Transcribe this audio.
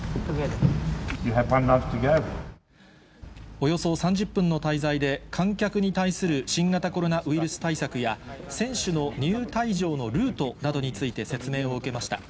およそ３０分の滞在で、観客に対する新型コロナウイルス対策や、選手の入退場のルートなどについて説明を受けました。